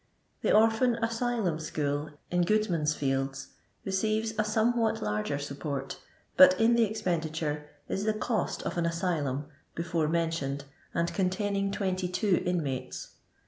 The Orphan Asylum School, in GfoodmanV fields, receires a somewhat larger support, but in the expenditure is the cost of an asylum (before mentioned, and containing 22 inmates).